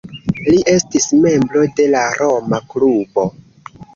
Li estis membro de la Roma Klubo.